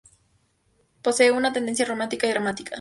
Posee una tendencia romántica y dramática.